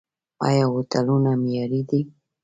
آیا هوټلونه معیاري دي؟